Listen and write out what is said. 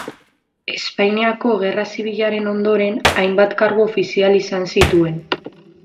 Espainiako Gerra Zibilaren ondoren hainbat kargu ofizial izan zituen.